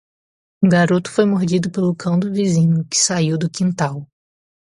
Um garoto foi mordido pelo cão do vizinho, que saiu do quintal.